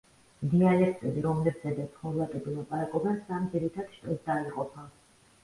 დიალექტები, რომლებზედაც ხორვატები ლაპარაკობენ სამ ძირითად შტოდ დაიყოფა.